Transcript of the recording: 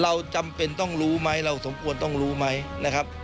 จำเป็นต้องรู้ไหมเราสมควรต้องรู้ไหมนะครับ